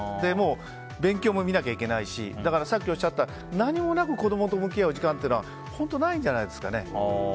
勉強も見なきゃいけないしさっきおっしゃった何もなく子供と向き合う時間は本当にないんじゃないですかね。